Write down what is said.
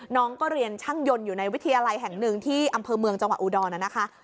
น้องก็เรียนช่างยนต์อยู่ในวิทยาลัยแห่งหนึ่งที่อำเภอเมืองจังหวัดอุดรนะคะ